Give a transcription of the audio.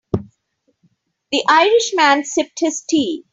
The Irish man sipped his tea.